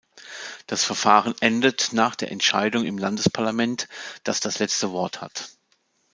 Das Verfahren endet nach der Entscheidung im Landesparlament, das das letzte Wort hat.